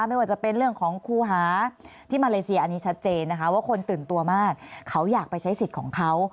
ไม่ว่าจะเป็นเรื่องของครูหาที่มาเลเซียอันนี้ชัดเจนนะคะว่าคนตื่นตัวมากเขาอยากไปใช้สิทธิ์ของเขา